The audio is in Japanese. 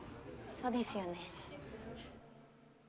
そうですよね。